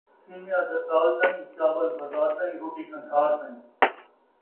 سیویاں درسال تئیں ، چاول بزار تئیں ، روٹی قن٘دھار تئیں